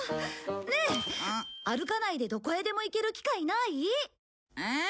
ねえ歩かないでどこへでも行ける機械ない？え？